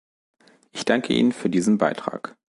Ich danke Ihnen für diesen Beitrag.